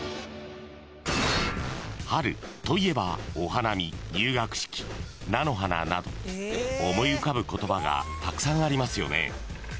［春といえばお花見入学式菜の花など思い浮かぶ言葉がたくさんありますよね］